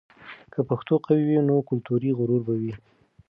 که پښتو قوي وي، نو کلتوري غرور به وي.